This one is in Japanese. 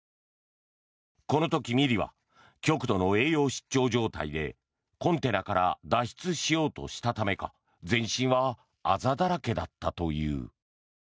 この時、ミリは極度の栄養失調状態でコンテナから脱出しようとしたためか全身はあざだらけだったという。